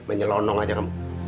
menyelonong aja kamu